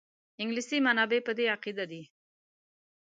انګلیسي منابع په دې عقیده دي.